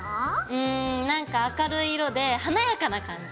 うん何か明るい色で華やかな感じ。